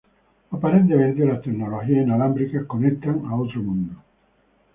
Aparentemente las tecnologías inalámbricas conectan a otro mundo.